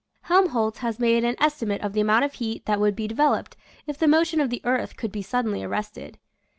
Helmholtz has made an estimate of the amount of heat that would be developed if the motion of the earth could be suddenly arrested.